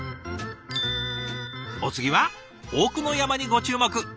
お次は奥の山にご注目。